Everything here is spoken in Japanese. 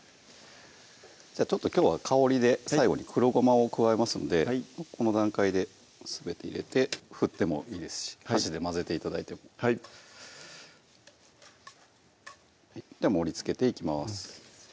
じゃあちょっときょうは香りで最後に黒ごまを加えますのでこの段階ですべて入れて振ってもいいですし箸で混ぜて頂いてもはいでは盛りつけていきます